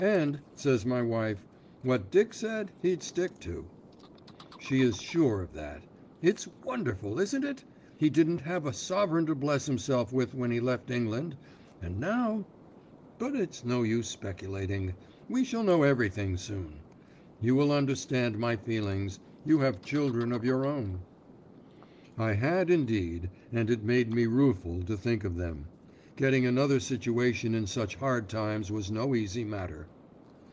'And,' says my wife, 'what Dick said, he'd stick to.' She is sure of that. It's wonderful, isn't it? He didn't have a sovereign to bless himself with when he left England, and now but it's no use speculating. We shall know everything soon. You will understand my feelings; you have children of your own." I had indeed, and it made me rueful to think of them. Getting another situation in such hard times was no easy matter.